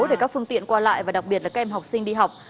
để các phương tiện qua lại và đặc biệt là kem học sinh đi học